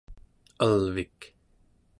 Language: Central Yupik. alvik